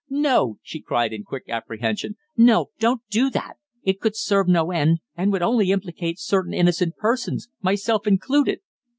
"No!" she cried in quick apprehension. "No, don't do that. It could serve no end, and would only implicate certain innocent persons myself included."